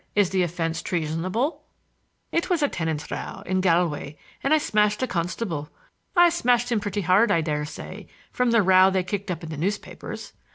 Is the offense treasonable?" "It was a tenants' row in Galway, and I smashed a constable. I smashed him pretty hard, I dare say, from the row they kicked up in the newspapers.